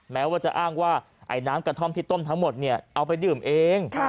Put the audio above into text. แม้ว่าจะอ้างว่าไอ้น้ำกระท่อมที่ต้มทั้งหมดเนี่ยเอาไปดื่มเอง